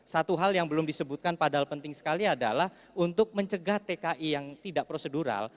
satu hal yang belum disebutkan padahal penting sekali adalah untuk mencegah tki yang tidak prosedural